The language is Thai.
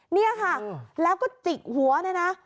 นี่ค่ะแล้วก็จิกหัวเนี่ยนะ